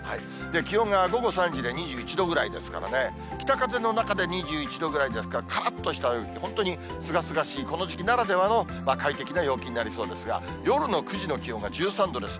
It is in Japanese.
気温が午後３時で２１度ぐらいですからね、北風の中で２１度ぐらいですから、からっとした陽気、本当にすがすがしい、この時期ならではの快適な陽気になりそうですが、夜の９時の気温が１３度です。